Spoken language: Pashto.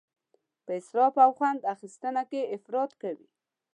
په اسراف او خوند اخیستنه کې افراط کوي.